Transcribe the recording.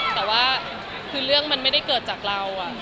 แต่ว่าคือเรื่องมันไม่ได้เกิดจากเรา